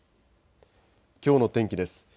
きょうの天気です。